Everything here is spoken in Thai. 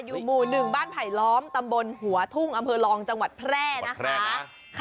อยู่หมู่๑บ้านไผลล้อมตำบลหัวทุ่งอำเภอรองจังหวัดแพร่นะคะ